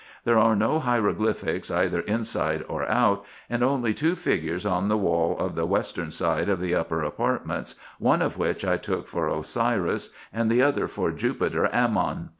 There are no hieroglyphics either inside or out, and only two figures on the wall of the western side of the upper apart ments, one of which I took for Osiris, and the other for Jupiter Amnion.